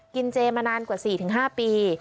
กินเจมานานกว่า๔๕ปี